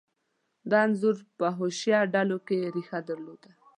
دا انځور په حشویه ډلو کې ریښه درلوده.